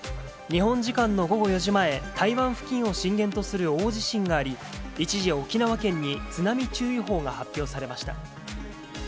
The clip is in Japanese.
日本時間の午後４時前、台湾付近を震源とする大地震があり、一時、沖縄県に津波注意報が発表されました。